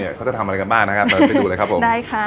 ได้ค่ะเขาจะทำอะไรกับบ้านนะครับมาไปดูเลยครับผม